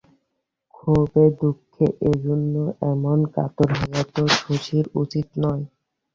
ক্ষোভে দুঃখে এজন্য এমন কাতর হওয়া তো শশীর উচিত নয়।